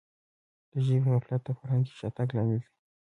د ژبي غفلت د فرهنګي شاتګ لامل دی.